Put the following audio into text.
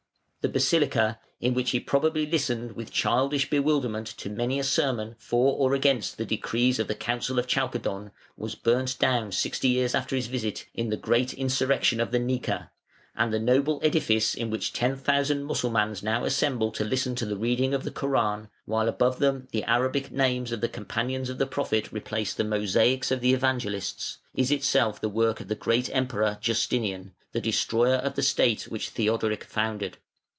The basilica, in which he probably listened with childish bewilderment to many a sermon for or against the decrees of the council of Chalcedon, was burnt down sixty years after his visit in the great Insurrection of the "Nika", and the noble edifice in which ten thousand Mussulmans now assemble to listen to the reading of the Koran, while above them the Arabic names of the companions of the Prophet replace the mosaics of the Evangelists, is itself the work of the great Emperor Justinian, the destroyer of the State which Theodoric founded.